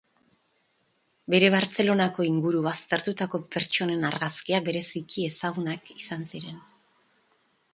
Bere Bartzelonako inguru baztertutako pertsonen argazkiak bereziki ezagunak izan ziren.